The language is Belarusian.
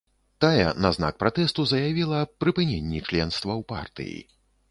Тая на знак пратэсту заявіла аб прыпыненні членства ў партыі.